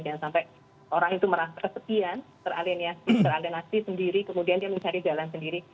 jangan sampai orang itu merasa kesekian teralienasi teralienasi sendiri kemudian dia mencari jalan sendiri